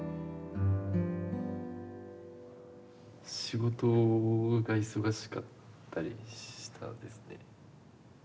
仕事が忙しかったりしたんですね。